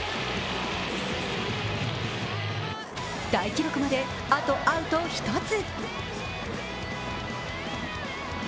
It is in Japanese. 大記録まであとアウト１つ。